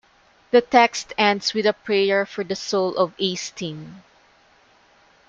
The text ends with a prayer for the soul of Eysteinn.